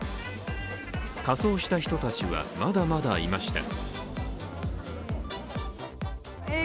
仮装した人たちはまだまだいました。